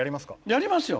やりますよ。